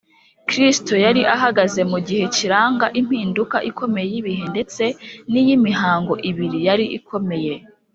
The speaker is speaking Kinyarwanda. kristo yari ahagaze mu gihe kiranga impinduka ikomeye y’ibihe ndetse n’iy’imihango ibiri yari ikomeye